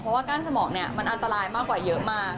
เพราะว่ากั้นสมองเนี่ยมันอันตรายมากกว่าเยอะมาก